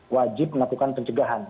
wajib melakukan pencegahan